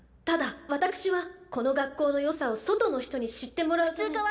ただわたくしはこの学校の良さを外の人に知ってもらうため。